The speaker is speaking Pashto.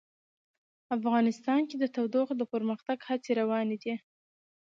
افغانستان کې د تودوخه د پرمختګ هڅې روانې دي.